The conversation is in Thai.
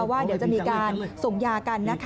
ว่าเดี๋ยวจะมีการส่งยากันนะคะ